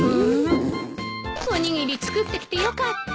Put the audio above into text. おにぎり作ってきてよかった。